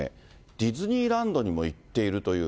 ディズニーランドにも行っているという。